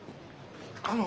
あの。